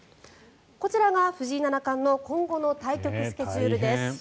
こちらが藤井七冠の今後の対局スケジュールです。